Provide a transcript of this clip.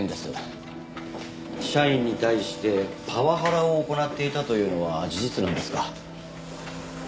社員に対してパワハラを行っていたというのは事実なんですか？